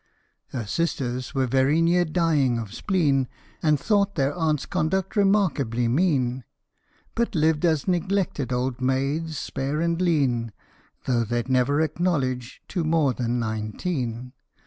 ] Her sisters were very near dying of spleen, And thought their aunt's conduct remarkably mean, But lived as neglected old maids, spare and lean (Though they'd never acknowledge to more than nineteen).